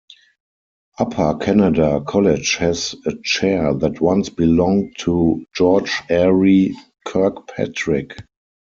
Upper Canada College has a chair that once belonged to George Airey Kirkpatrick.